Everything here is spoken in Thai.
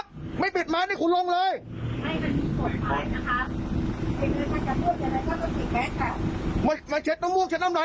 กลับทำไมคุณไม่ปิดเมตต์